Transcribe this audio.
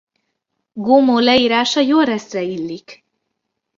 Gomo leírása Jorresre illik.